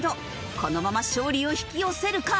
このまま勝利を引き寄せるか？